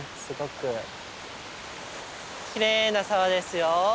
きれいな沢ですよ。